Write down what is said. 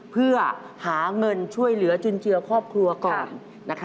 เพื่อหาเงินช่วยเหลือจุนเจือครอบครัวก่อน